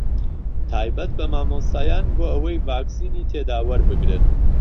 تایبەت بە مامۆستایان بۆ ئەوەی ڤاکسینی تێدا وەربگرن